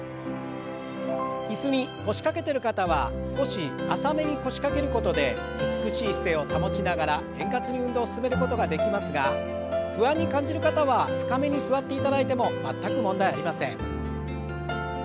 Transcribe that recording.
椅子に腰掛けてる方は少し浅めに腰掛けることで美しい姿勢を保ちながら円滑に運動を進めることができますが不安に感じる方は深めに座っていただいても全く問題ありません。